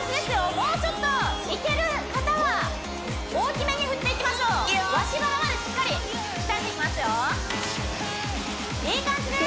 もうちょっといける方は大きめに振っていきましょう脇腹までしっかり鍛えていきますよいい感じです